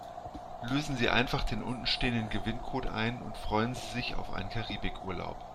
Lösen Sie einfach den unten stehenden Gewinncode ein und freuen Sie sich auf einen Karibikurlaub.